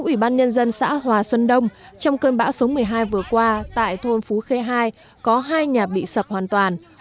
ủy ban nhân dân xã hòa xuân đông trong cơn bão số một mươi hai vừa qua tại thôn phú khê hai có hai nhà bị sập hoàn toàn